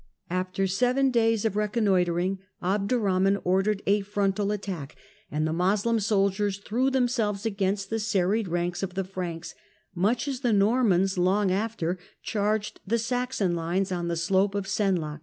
After seven days of re connoitring, Abdurrahman ordered a frontal attack, an$ the Moslem soldiers threw themselves against the serried ranks of the Franks, much as the Normans long after charged the Saxon lines on the slopes of Senlac.